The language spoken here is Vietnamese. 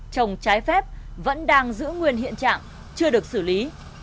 trồng trái phép vẫn đang giữ nguyên hiện trạng chưa được xử lý